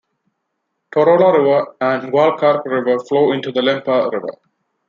Torola River and Gualcarque River flow into the Lempa river.